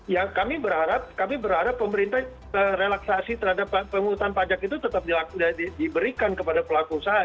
ya kami berharap pemerintah relaksasi terhadap pengurutan pajak itu tetap diberikan kepada pelaku usaha